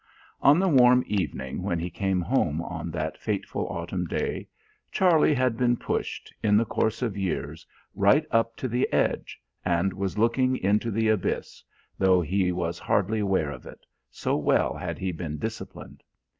On the warm evening when he came home on that fateful autumn day, Charlie had been pushed, in the course of years, right up to the edge, and was looking into the abyss, though he was hardly aware of it, so well had he been disciplined.